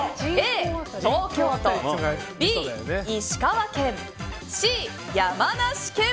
Ａ、東京都Ｂ、石川県Ｃ、山梨県。